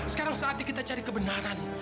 sekarang saatnya kita cari kebenaran